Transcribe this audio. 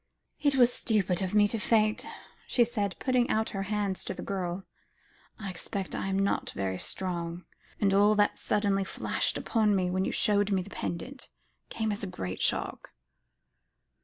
"It was stupid of me to faint," she said, putting out her hands to the girl. "I expect I am not very strong, and all that suddenly flashed upon me when you showed me the pendant, came as a great shock."